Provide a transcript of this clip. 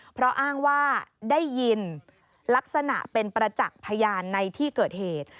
เพราะอ้างว่าได้ยินลักษณะเป็นประจักษ์พยานในที่เกิดเหตุ